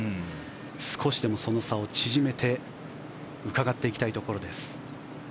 少しでもその差を縮めてうかがっていきたいところです。